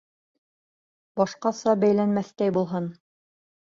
Башҡаса бәйләнмәҫтәй булһын!